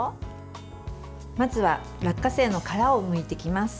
まずは落花生の殻をむいていきます。